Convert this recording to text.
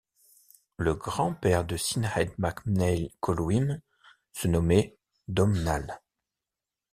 Le grand-père de Cináed mac Maíl Coluim se nommait Domnall.